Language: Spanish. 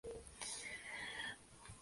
Bia Seidl interpreta la antagonista, Leonor.